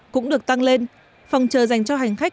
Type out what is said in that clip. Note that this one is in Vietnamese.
cũng được tăng lên phòng chờ dành cho hành khách